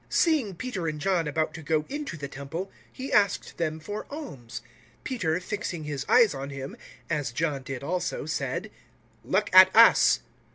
003:003 Seeing Peter and John about to go into the Temple, he asked them for alms. 003:004 Peter fixing his eyes on him, as John did also, said, "Look at us."